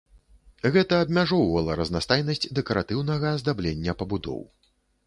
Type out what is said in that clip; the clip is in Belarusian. Гэта абмяжоўвала разнастайнасць дэкаратыўнага аздаблення пабудоў.